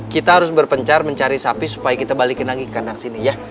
kita harus berpencar mencari sapi supaya kita balikin lagi kandang sini ya